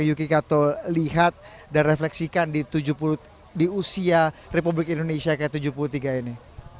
yuki kato lihat dan refleksikan di usia republik indonesia ke tujuh puluh tiga ini